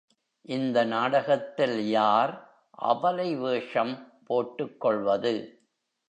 இந்த நாடகத்தில் யார் அபலை வேஷம் போட்டுக்கொள்வது?